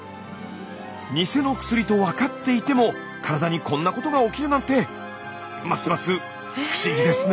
ニセの薬と分かっていても体にこんなことが起きるなんてますます不思議ですね。